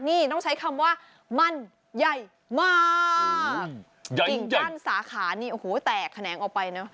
นี่ต้องใช้คำว่ามันใหญ่มากสาขานี่โอ้โหแตกแขนงออกไปนะ